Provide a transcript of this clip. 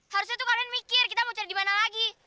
harusnya tuh kalian mikir kita mau cari di mana lagi